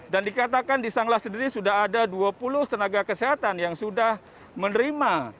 dan dikatakan di sanglah sendiri sudah ada dua puluh tenaga kesehatan yang sudah menerima